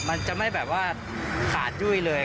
มันจะไม่แบบว่าขาดยุ่ยเลย